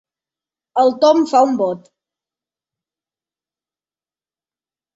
El Tom fa un bot.